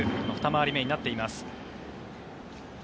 ２回り目になっています。